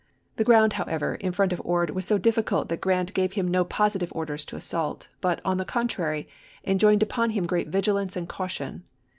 The ground, however, in front of Ord was so difficult that Grant gave him no positive orders to assault, but, on the contrary, enjoined upon him great vigilance and caution.